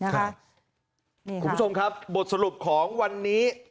คุณผู้ชมครับบทสรุปของวันนี้